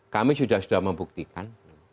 kami sudah sudah membuktikan